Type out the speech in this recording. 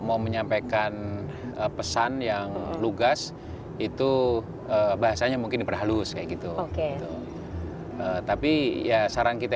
mau menyampaikan pesan yang lugas itu bahasanya mungkin diperhalus kayak gitu oke tapi ya saran kita